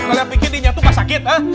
kalian pikir dinyatu enggak sakit ha